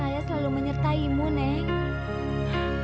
saya selalu menyertaimu neng